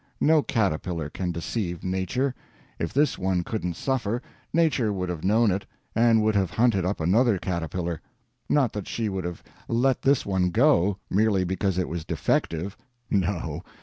No caterpillar can deceive Nature. If this one couldn't suffer, Nature would have known it and would have hunted up another caterpillar. Not that she would have let this one go, merely because it was defective. No.